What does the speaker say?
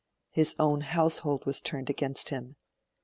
His own household was turned against him.